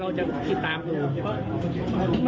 เราจะติดตามโบน